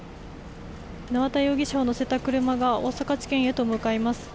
縄田容疑者を乗せた車が大阪地検へと向かいます。